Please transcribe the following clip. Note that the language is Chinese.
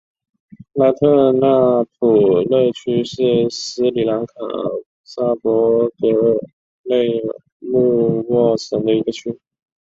拉特纳普勒区是斯里兰卡萨伯勒格穆沃省的一个区。